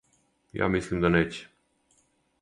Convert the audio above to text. Ја мислим да неће.